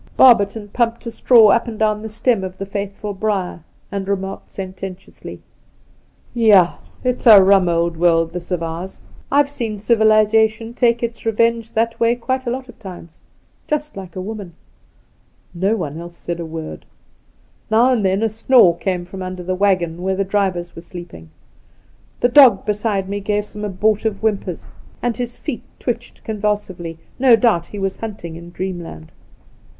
Barberton pumped a straw up and down the stem of the faithful briar, and re marked sententiously : 'Yah, it's a rum old world, this of ours ! I've seen civilization take its revenge that way quite a lot of times — ^just like a woman !' No one else said a word. Now and then a snore came from under the waggon where the drivers were sleeping. • The dog beside me gave some abortive whimpers, and his feet twitched convulsively — no doubt he was hunting in dreamland.